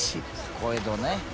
「小江戸ね」